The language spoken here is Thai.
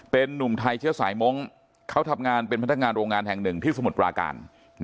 เป็นนุ่มไทยเชื้อสายมงค์เขาทำงานเป็นพนักงานโรงงานแห่งหนึ่งที่สมุทรปราการ